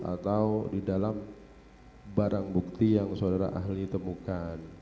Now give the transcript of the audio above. atau di dalam barang bukti yang saudara ahli temukan